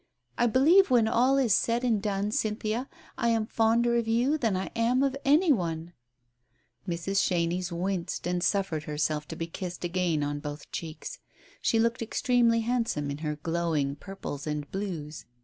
I believe, when all is said and done, Cynthia, I am fonder of you than I am of any one !" Mrs. Chenies winced and suffered herself to be kissed again on both cheeks. She looked extremely handsome in her glowing purples and blues.